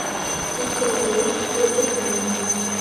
Икте толеш, весе кая —